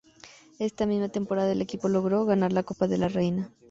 Esta misma temporada el equipo logró ganar la Copa de la Reina.